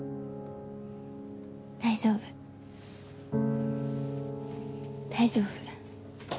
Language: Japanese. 大丈夫大丈夫。